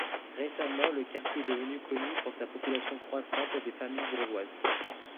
Récemment, le quartier est devenu connu pour sa population croissante des familles bourgeoises.